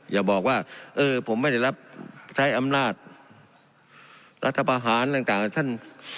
อย่าบอกว่าเออผมไม่ได้รับใช้อำนาจรัฐประหารต่างกับท่าน